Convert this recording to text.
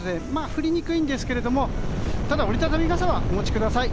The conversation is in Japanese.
降りにくいんですがただ、折り畳み傘はお持ちください。